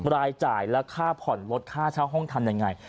รายจ่ายและค่าผ่อนลดค่าเช่าห้องทำยังไง